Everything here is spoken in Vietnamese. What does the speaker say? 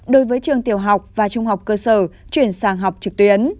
đối với trường tiểu học và trung học cơ sở chuyển sang học trực tuyến